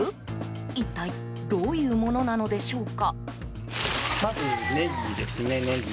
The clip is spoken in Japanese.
一体どういうものなのでしょうか。